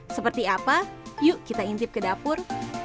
seperti apa yuk kita intip ke dapur